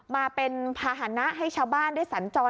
มาเป็นภาษณะให้ชาวบ้านได้สัญจร